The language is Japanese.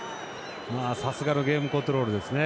さすがのゲームコントロールですね。